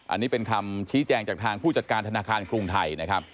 อันนี้เป็นคำชี้แจงจากทางผู้จัดการธนาคารกรุงไทยนะครับ